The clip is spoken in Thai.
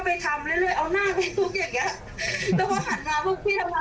ก็ไปทำเรื่อยเอาหน้าใกล้ลูก